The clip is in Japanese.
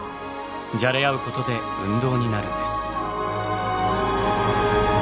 じゃれ合うことで運動になるんです。